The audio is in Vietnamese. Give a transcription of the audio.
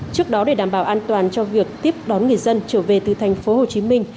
trước đó để đảm bảo an toàn cho việc tiếp đón người dân trở về từ thành phố hồ chí minh